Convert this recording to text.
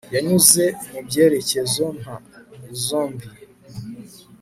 yanyuze mubyerekezo nka zombie